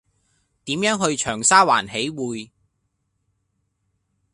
點樣去長沙灣喜薈